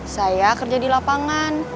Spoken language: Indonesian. saya kerja di lapangan